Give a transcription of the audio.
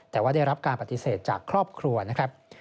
แต่ว่าได้รับการปฏิเสธจากครอบครัวนะครับ